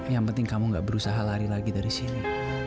yang penting kamu gak berusaha lari lagi dari sini